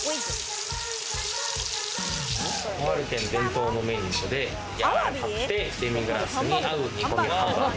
小春軒伝統のメニューでやわらかくてデミグラスに合う、煮込みハンバーグ。